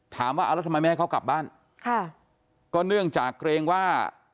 ถามว่าเอาแล้วทำไมไม่ให้เขากลับบ้านค่ะก็เนื่องจากเกรงว่า